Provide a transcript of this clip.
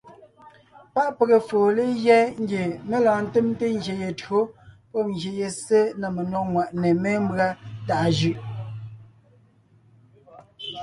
Páʼ pege foo legyɛ́ ngie mé lɔɔn ńtemte ngyè ye tÿǒ pɔ́b ngyè ye ssé na menÿɔ́g ŋwàʼne mémbʉ́a tàʼa jʉʼ.